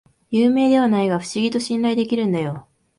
有名ではないが不思議と信頼できるんだよ